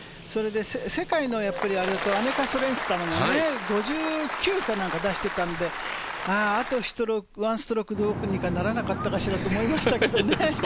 それで世界のアニカ・ソレンスタムが５９かなんか出してたので、あと１ストロークどうにかならなかったかしらって思いましたけどね。